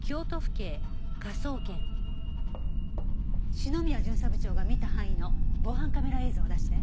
篠宮巡査部長が見た範囲の防犯カメラ映像を出して。